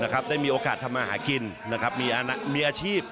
ได้มีโอกาสทำมาหากินมีอาชีพ